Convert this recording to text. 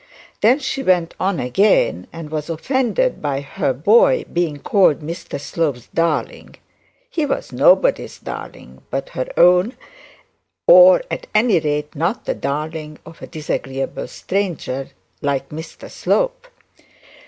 Then she went on again and was offended by her boy being called Mr Slope's darling he was nobody's darling but her own; or at any rate not the darling of a disagreeable stranger like Mr Slope.